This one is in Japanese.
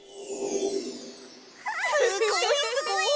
すごいすごい！